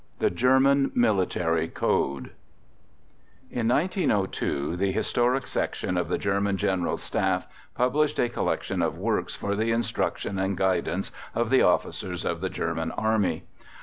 THE GERMAN MILITARY CODE In 1902 the Historic Section of the German General Staff published a collection of works for the instruction and guidance of the officers of the German Army.